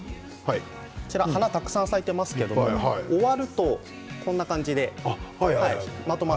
花がたくさん咲いていますけど終わるとこんな感じになりますね。